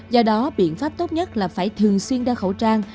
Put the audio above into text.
do đó biện pháp tốt nhất là phải thường xuyên đeo khẩu trang